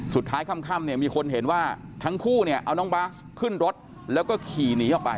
สุดท้ายค่ำมีคนเห็นว่าทั้งคู่เอาน้องบ๊าซขึ้นรถแล้วก็ขี่หนีออกไป